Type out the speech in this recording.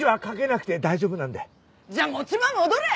じゃあ持ち場戻れ！